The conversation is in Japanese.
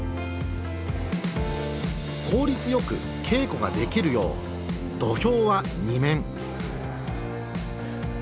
効率よく稽古ができるよう土俵は２面。